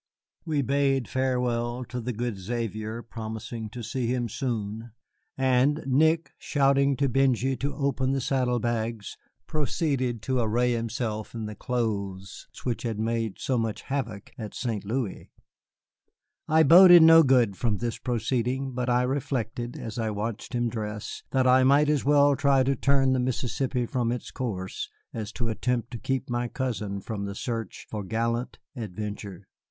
We bade farewell to the good Xavier, promising to see him soon; and Nick, shouting to Benjy to open the saddle bags, proceeded to array himself in the clothes which had made so much havoc at St. Louis. I boded no good from this proceeding, but I reflected, as I watched him dress, that I might as well try to turn the Mississippi from its course as to attempt to keep my cousin from the search for gallant adventure.